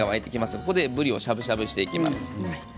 ここでぶりをしゃぶしゃぶしていきます。